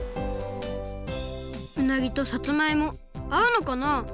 うなぎとさつまいもあうのかな？